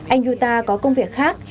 anh yuta có công việc khác